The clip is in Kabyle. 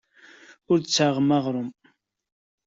Ur d-tessaɣem aɣrum.